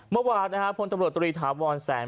เมื่อวานพลตรวจตรีฐาวรแสง